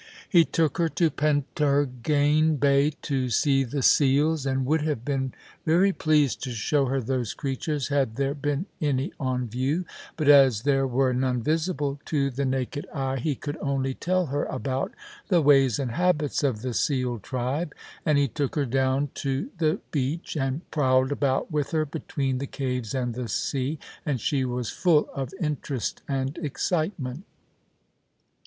He took her to Pentargain Bay, to see the seals, and would have been very pleased to show her those creatures had there been any on view ; but as there were none visible to the naked eye he could only tell her about the ways and habits of the seal tribe : and he took her down to the beach and prowled about with her between the caves and the sea, and she was full of interest and excitement.